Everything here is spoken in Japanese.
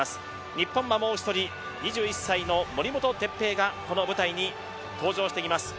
日本からはもう一人２１歳の森本哲平がこの舞台に登場してきます。